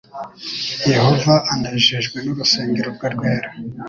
yehova anejejwe n urusengero rwe rwera